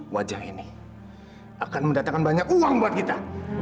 wajah ini akan mendatangkan banyak uang buat kita